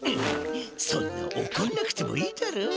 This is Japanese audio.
そんなおこんなくてもいいだろ。